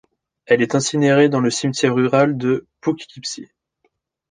Elle est incinérée dans le cimetière rural de Poughkeepsie.